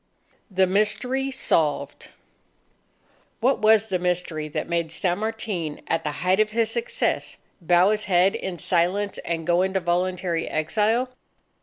THE MYSTERY SOLVED What was the mystery, that had made San Martin at the height of his success, bow his head in silence and go into voluntary exile?